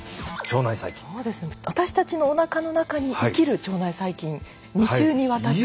私たちのおなかの中に生きる腸内細菌２週にわたって。